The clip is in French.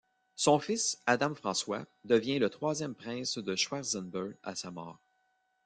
Son fils Adam-François devient le troisième prince de Schwarzenberg à sa mort.